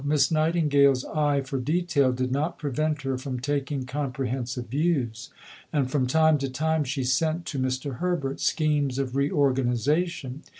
Miss Nightingale's eye for detail did not prevent her from taking comprehensive views, and from time to time she sent to Mr. Herbert schemes of reorganization.